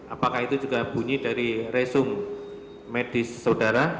apakah itu juga bunyi dari resum medis saudara